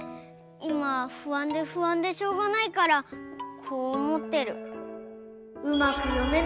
いまふあんでふあんでしょうがないからこうおもってる。